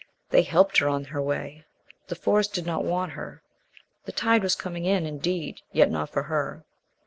They helped her on her way. The Forest did not want her. The tide was coming in, indeed, yet not for her.